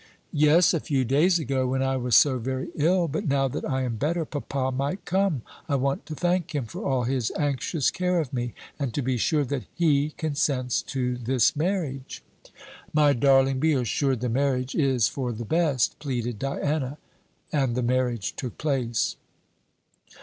"Yes, a few days ago, when I was so very ill; but now that I am better, papa might come. I want to thank him for all his anxious care of me, and to be sure that he consents to this marriage." "My darling, be assured the marriage is for the best," pleaded Diana. And the marriage took place.